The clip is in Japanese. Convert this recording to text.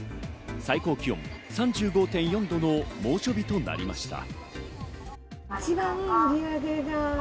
最高気温３５．４度の猛暑日となりました。